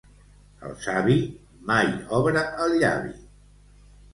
El savi mai obre el llavi.